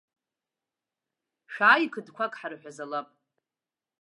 Шәааи, қыдқәак ҳарҳәазалап.